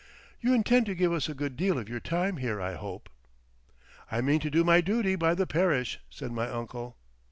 You intend to give us a good deal of your time here, I hope." "I mean to do my duty by the Parish," said my uncle.